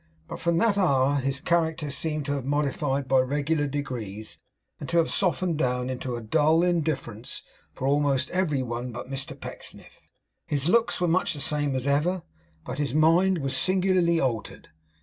But from that hour his character seemed to have modified by regular degrees, and to have softened down into a dull indifference for almost every one but Mr Pecksniff. His looks were much the same as ever, but his mind was singularly altered.